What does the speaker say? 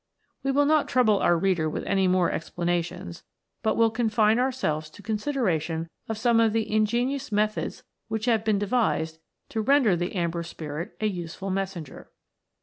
21 We will not trouble our reader with any more explanations, but will confine ourselves to a con sideration of some of the ingenious methods which have been devised to render the Amber Spirit a useful messenger.